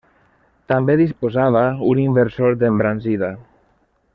També disposava un inversor d'embranzida.